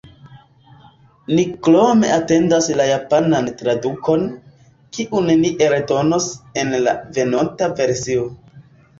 Ni krome atendas la japanan tradukon, kiun ni eldonos en la venonta versio.